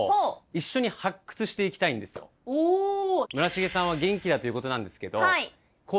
村重さんは元気だということなんですけどこう